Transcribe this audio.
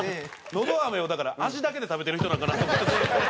のど飴をだから味だけで食べてる人なんかなと思って。